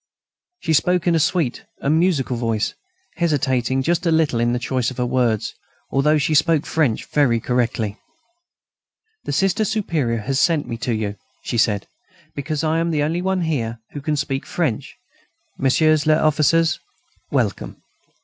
She spoke in a sweet and musical voice, hesitating just a little in her choice of words, although she spoke French very correctly. "The Sister Superior has sent me to you," she said, "because I am the only one here who can speak French.... Messieurs les officiers, welcome."